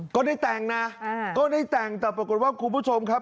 ก็ได้แต่งนะก็ได้แต่งแต่ปรากฏว่าคุณผู้ชมครับ